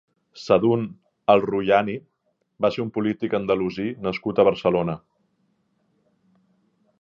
Sadun al-Ruayni va ser un polític andalusí nascut a Barcelona.